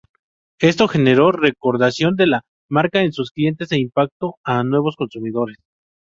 Esto generó recordación de la marca en sus clientes e impacto a nuevos consumidores.